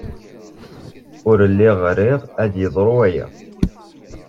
Ur lliɣ riɣ ad yeḍru waya.